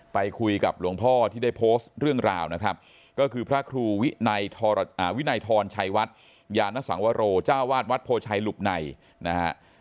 ไปคุยกับหลวงพ่อที่ได้โพสต์เรื่องราวนะครับก็คือพระครูวินัยวินัยทรชัยวัดยานสังวโรเจ้าวาดวัดโพชัยหลุบในนะฮะ